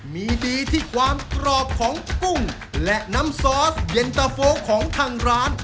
มีดีที่ความกรอบของกุ้งและน้ำซอสเย็นตะโฟของทางร้าน